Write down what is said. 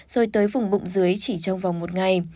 rồi tới vùng bụng dưới chỉ trong vòng một ngày